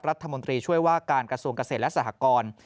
รัฐมนตรีช่วยว่าการกระทรวงเกษตรและสหกร